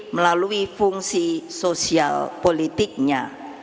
melalui fungsi sosial politiknya